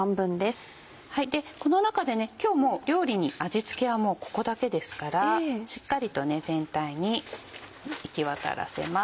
この中でね今日もう料理に味付けはここだけですからしっかりと全体に行き渡らせます。